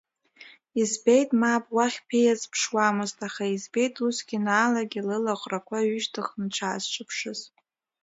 Избеит мап, уахь ԥиа сызԥшуамызт аха, избеит усгьы Наалагьы лыла ӷрақәа ҩышьҭыхны дшаасҿаԥшыз.